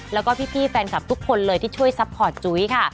แล้วก็พี่แฟนคลับทุกคนเลยที่ช่วยซัพพอร์ตจุ้ยค่ะ